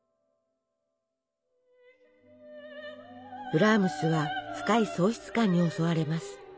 ブラームスは深い喪失感に襲われます。